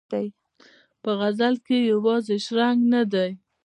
په غزل کې یې یوازې شرنګ نه دی.